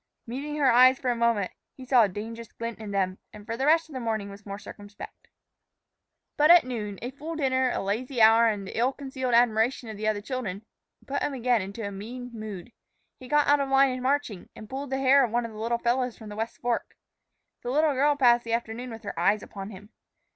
Meeting her eyes for a moment, he saw a dangerous glint in them, and for the rest of the morning was more circumspect. But at noon, a full dinner, a lazy hour, and the ill concealed admiration of the other children put him again into a mean mood. He got out of line in marching, and pulled the hair of one of the little fellows from the West Fork. The little girl passed the afternoon with her eyes upon him.